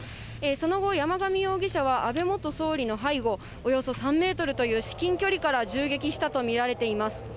その後、山上容疑者は安倍元総理の背後、およそ３メートルという至近距離から銃撃したと見られています。